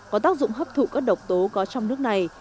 có tác dụng hấp thụ các độc tố có trong nước này